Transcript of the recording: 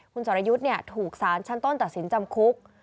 คุณสรยุทธ์ถูกสารชั้นต้นตัดสินจำคุก